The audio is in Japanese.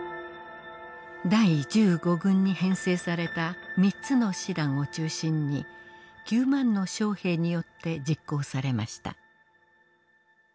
第１５軍に編成された３つの師団を中心に９万の将兵によって実行されました。